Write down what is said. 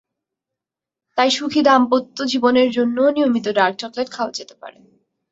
তাই সুখী দাম্পত্য জীবনের জন্যও নিয়মিত ডার্ক চকলেট খাওয়া যেতে পারে।